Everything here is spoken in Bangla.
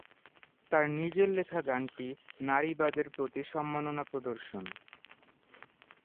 তার নিজের লেখা গানটি নারীবাদের প্রতি সম্মাননা প্রদর্শন।